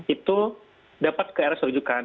itu dapat krs rujukan